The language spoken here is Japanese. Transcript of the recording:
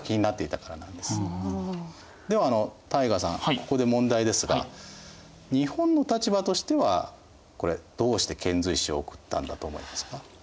ここで問題ですが日本の立場としてはこれどうして遣隋使を送ったんだと思いますか？